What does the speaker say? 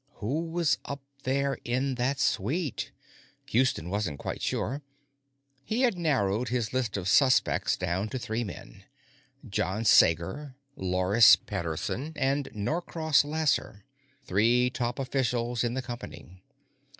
Who was up there in that suite? Houston wasn't quite sure. He had narrowed his list of suspects down to three men: John Sager, Loris Pederson, and Norcross Lasser, three top officials in the company.